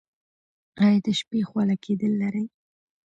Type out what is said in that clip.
ایا د شپې خوله کیدل لرئ؟